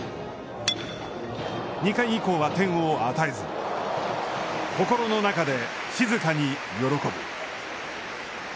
２回以降は点を与えず、心の中で、静かに喜ぶ。